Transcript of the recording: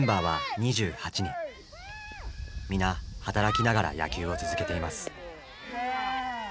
皆働きながら野球を続けています。